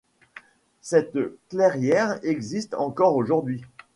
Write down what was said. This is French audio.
Cette clairière existe encore aujourd'hui.